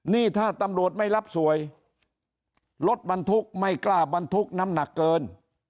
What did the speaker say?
นี่ถ้าตำรวจไม่รับสวยรถบรรทุกไม่กล้าบรรทุกน้ำหนักเกิน